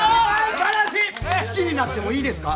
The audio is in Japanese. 好きになってもいいですか？